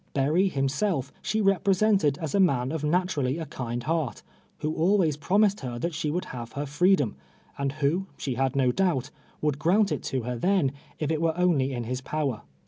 E^ii'i'v himself she re])resented as a man of naturally a kind heart, who always ]<romis ed her that she should have her freedom, and who, she had no doubt, would grant it to her then, if it were only in his power.